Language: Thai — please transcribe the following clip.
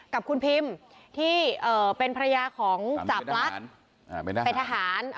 กับคุณพิมที่เป็นภรรยาของจาบลักษณ์เป็นทหาร